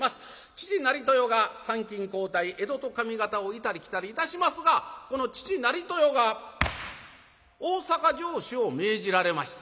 父成豊が参勤交代江戸と上方を行ったり来たりいたしますがこの父成豊が大坂城主を命じられました。